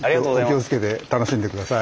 お気を付けて楽しんでください。